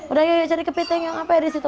udah yuk cari kepiting yuk ngapain di situ